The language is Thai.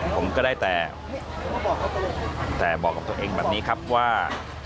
ผมก็ได้แต่บอกกับตัวเองแบบนี้ครับว่า